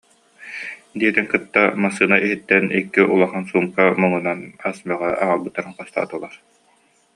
диэтин кытта массыына иһиттэн икки улахан суумка муҥунан ас бөҕө аҕалбыттарын хостоотулар